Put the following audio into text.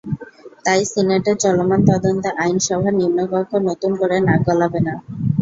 তাই সিনেটের চলমান তদন্তে আইনসভার নিম্নকক্ষ নতুন করে নাক গলাবে না।